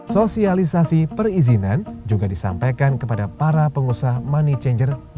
sosialisasi perizinan juga disampaikan kepada para pengusaha money changer